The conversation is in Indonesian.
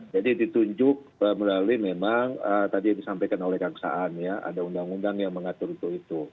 jadi ditunjuk melalui memang tadi disampaikan oleh kang saan ya ada undang undang yang mengatur untuk itu